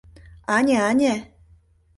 — Ане, ане...